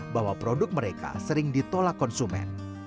bahwa produk mereka sering ditolak konsumen